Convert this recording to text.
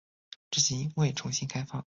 至今未重新开放。